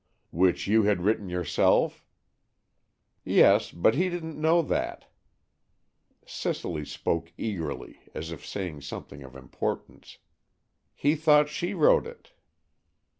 "Which you had written yourself?" "Yes, but he didn't know that." Cicely spoke eagerly, as if saying something of importance. "He thought she wrote it."